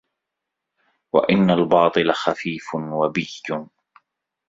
وَإِنَّ الْبَاطِلَ خَفِيفٌ وَبِيٌّ